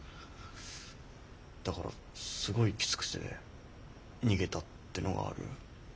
だからすごいきつくて逃げたってのがある。